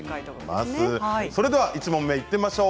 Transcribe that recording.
それでは１問目いってみましょう。